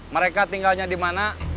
mereka tinggalnya dimana